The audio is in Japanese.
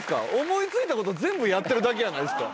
思い付いたこと全部やってるだけやないっすか。